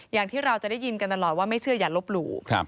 อย่างที่เราจะได้ยินกันตลอดว่าไม่เชื่ออย่าลบหลู่